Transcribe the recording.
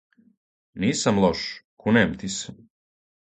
Нисам лош, кунем ти се!